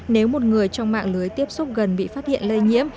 nếu một người trong mạng lưới tiếp xúc gần bị phát hiện lây nhiễm